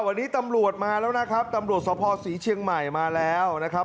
วันนี้ตำรวจมาแล้วนะครับตำรวจสภศรีเชียงใหม่มาแล้วนะครับ